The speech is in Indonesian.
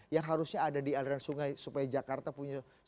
yang harusnya ada di aliran sungai supaya jakarta punya